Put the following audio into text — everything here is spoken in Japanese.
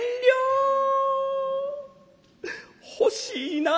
欲しいな。